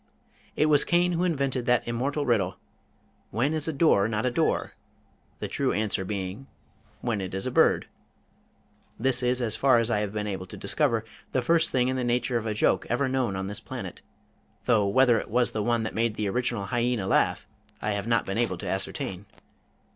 It was Cain who invented that immortal riddle, "When is a door not a door?" the true answer being, "when it is a bird." This is as far as I have been able to discover the first thing in the nature of a joke ever known on this planet, though whether it was the one that made the original Hyena laugh I have not been able to ascertain.